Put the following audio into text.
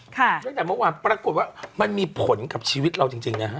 ตั้งแต่เมื่อวานปรากฏว่ามันมีผลกับชีวิตเราจริงนะฮะ